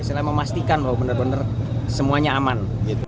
selain memastikan bahwa benar benar semuanya aman